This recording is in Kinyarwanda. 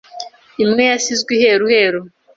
Imwe yasizwe iheru heru